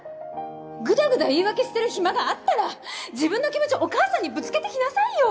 グダグダ言い訳してる暇があったら自分の気持ちをお母さんにぶつけて来なさいよ！